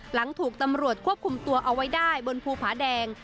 หลังถูกตำรวจควบคุมตัวเอาไว้ได้บนภูผาแดง